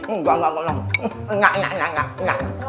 enggak enggak enggak enak enak enak enak enak